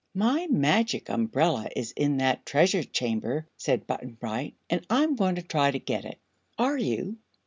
"My Magic Umbrella is in that Treasure Chamber," said Button Bright, "and I'm going to try to get it." "Are you?"